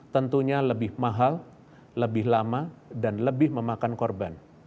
tentunya lebih mahal lebih lama dan lebih memakan korban